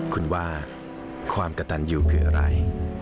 คุณว่าความกระตันอยู่คืออะไร